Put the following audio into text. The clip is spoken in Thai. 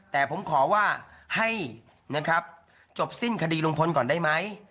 แต่ผมขอว่าให้จบสิ้นคดีโรงพลก่อนได้ไหม